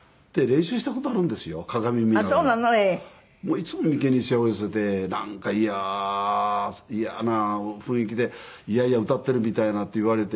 いつも眉間にシワを寄せてなんか嫌嫌な雰囲気で嫌々歌っているみたいなんて言われて。